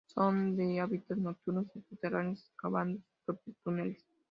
Son de hábitos nocturnos y subterráneos, excavando sus propios túneles.